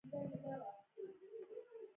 د حاجي عبدالمجید خان لمسی دی.